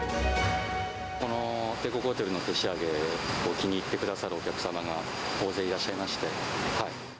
この帝国ホテルの手仕上げを気に入ってくださるお客様が大勢いらっしゃいまして。